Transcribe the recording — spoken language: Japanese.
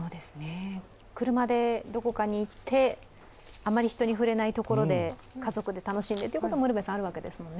車でどこかに行ってあまり人に触れないところで家族で楽しんでということもあるわけですもんね。